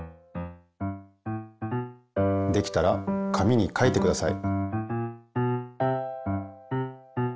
できたら紙に書いてください。